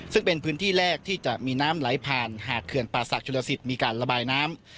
ซึ่งเป็นพื้นที่แรกที่จะมีน้ำไหลผ่านหากเขื่อนป่าศักดิชลสิทธิ์มีการระบายน้ำ